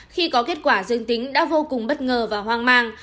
khi có kết quả dương tính đã vô cùng bất ngờ và hoang mang